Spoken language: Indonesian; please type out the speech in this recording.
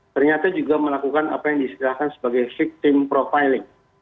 ternyata juga melakukan apa yang disediakan sebagai victim profiling